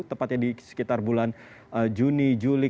tepatnya di sekitar bulan juni juli